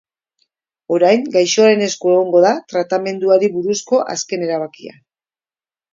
Orain gaixoaren esku egongo da tratamenduari buruzko azken erabakia.